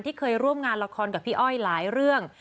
เคยร่วมงานละครกับพี่อ้อยหลายเรื่อง